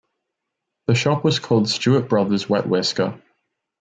The shop was called Stewart Brothers Wet Whisker.